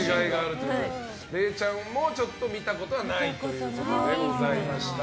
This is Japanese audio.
れいちゃんも見たことはないということでございました。